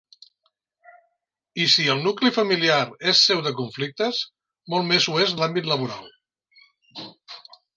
I si el nucli familiar és seu de conflictes, molt més ho és l'àmbit laboral.